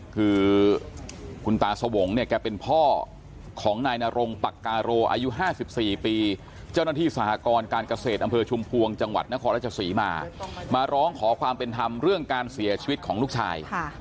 คือคุณตาสวงศ์เนี่ยแกเป็นพ่อของนายนรงปักกาโรอายุ๕๔ปีเจ้าหน้าที่สหกรการเกษตรอำเภอชุมพวงจังหวัดนครราชศรีมามาร้องขอความเป็นธรรมเรื่องการเสียชีวิตของลูกชาย